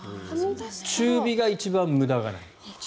中火が一番無駄がない。